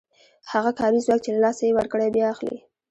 هغه کاري ځواک چې له لاسه یې ورکړی بیا اخلي